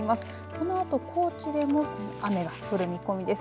このあと高知でも雨が降る見込みです。